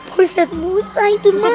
eh ustadz musa itu namanya